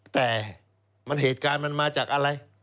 แต่เหตุการณ์มันมาจากอะไร